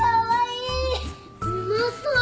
うまそう。